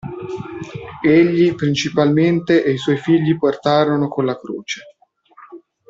Egli principalmente e i suoi figli portarono con la croce.